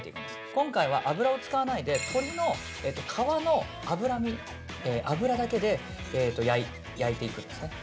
今回は油を使わないで鶏の皮の脂身、脂だけで焼いていくんですね。